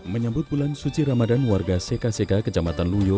menyambut bulan suci ramadan warga sekaseka kejamatan luyo